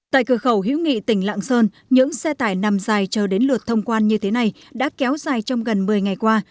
tại cửa khẩu hiễu nghị tỉnh lạng sơn những xe tải nằm dài chờ đến lượt thông quan như thế này đã kéo dài trong gần một mươi ngày qua